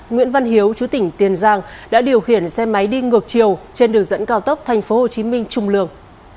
nguyễn văn hiếu chú tỉnh tiền giang đã điều khiển xe máy đi ngược chiều trên đường dẫn cao tốc tp hcm trung lương